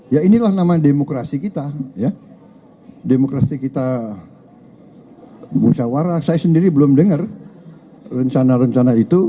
ya inilah nama demokrasi kita demokrasi kita musyawarah saya sendiri belum dengar rencana rencana itu